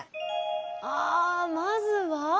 あまずは。